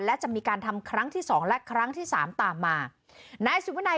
และจะมีการทำครั้งที่สองและครั้งที่สามตามมานายสุวินัย